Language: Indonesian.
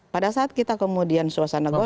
pada saat kita kemudian suasana golkar